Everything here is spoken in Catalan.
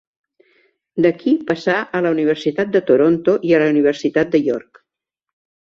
D'aquí passà a la Universitat de Toronto i a la Universitat de York.